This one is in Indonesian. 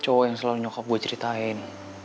cowok yang selalu nyokap gue ceritain